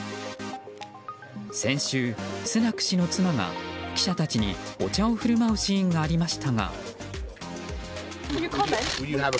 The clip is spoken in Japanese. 先週、スナク氏の妻が記者たちにお茶を振る舞うシーンがありましたが。